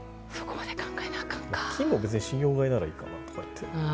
金も信用買いならいいかなと。